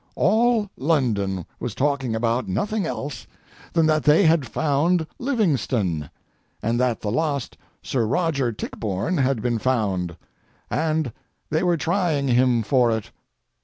All London was talking about nothing else than that they had found Livingstone, and that the lost Sir Roger Tichborne had been found—and they were trying him for it.